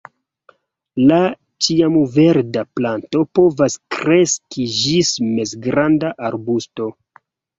La ĉiamverda planto povas kreski ĝis mezgranda arbusto.